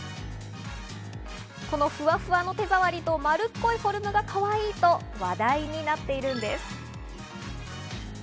このフワフワの手触りとまるっこいフォルムがかわいいと話題になっているんです。